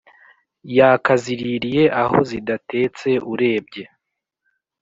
yakaziririye aho zidatetse urebye